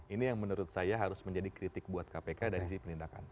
ini yang menurut saya harus menjadi kritik buat kpk dari sisi penindakan